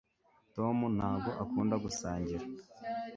tom ntabwo akunda gusangira